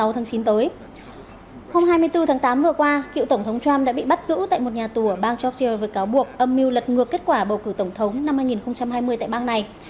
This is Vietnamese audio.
trong năm hai nghìn tám vừa qua cựu tổng thống trump đã bị bắt giữ tại một nhà tù ở bang georgia với cáo buộc âm mưu lật ngược kết quả bầu cử tổng thống năm hai nghìn hai mươi tại bang này